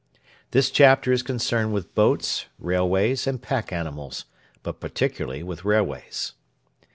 This chapter is concerned with boats, railways, and pack animals, but particularly with railways.